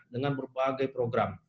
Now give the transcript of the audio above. dengan berbagai program